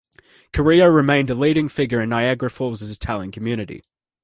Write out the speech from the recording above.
Kerrio remained a leading figure in Niagara Falls's Italian community.